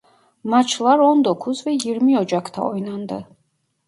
Maçlar on dokuz ve yirmi Ocak'ta oynandı.